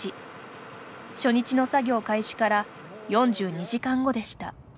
初日の作業開始から４２時間後でした。